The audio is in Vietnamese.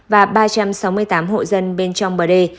và ba trăm sáu mươi tám hộ dân bên trong bờ đê